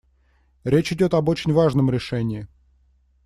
Речь идет об очень важном решении.